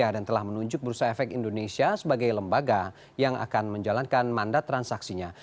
dan telah menunjuk bursa efek indonesia sebagai lembaga yang akan menjalankan mandat transaksinya